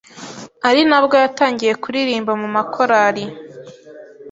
ari nabwo yatangiye kuririmba mu makorali